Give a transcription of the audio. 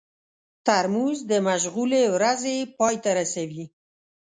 ترموز د مشغولې ورځې پای ته رسوي.